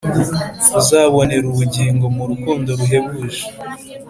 Uzaboner'ubugingo mu rukundo ruhebuje